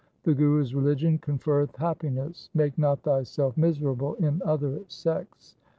The Guru's religion conferreth happiness. Make not thyself miserable in other sects.